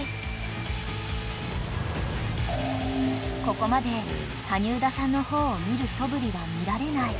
［ここまで羽生田さんの方を見るそぶりは見られない］